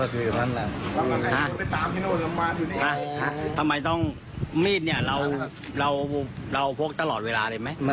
ทำไมต้องมีดเนี่ยเราพกตลอดเวลาเลยไหม